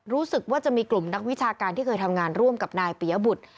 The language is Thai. รู้สึกว่าจะมีกลุ่มนักวิชาการที่เคยทำงานร่วมกับนายปียบุตร